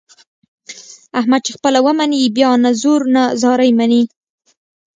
احمد چې خپله ومني بیا نه زور نه زارۍ مني.